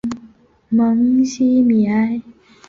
蒙希于米埃。